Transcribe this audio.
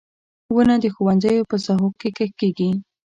• ونه د ښوونځیو په ساحو کې کښت کیږي.